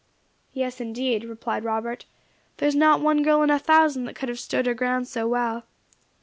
"Yes, indeed," replied Robert; "there is not one girl in a thousand that could have stood her ground so well.